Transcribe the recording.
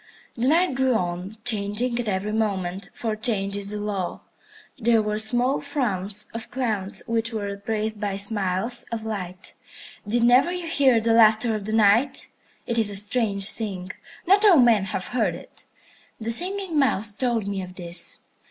The Night grew on, changing at every moment, for change is the law. There were small frowns of clouds which were replaced by smiles of light. Did never you hear the laughter of the Night? It is a strange thing. Not all men have heard it. The Singing Mouse told me of this.